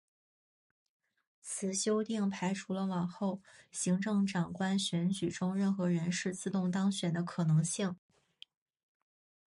此修订排除了往后行政长官选举中任何人士自动当选的可能性。